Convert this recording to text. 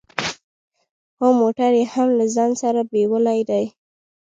هو موټر يې هم له ځان سره بيولی دی.